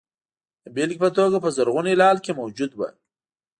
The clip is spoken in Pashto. د بېلګې په توګه په زرغون هلال کې موجود وو.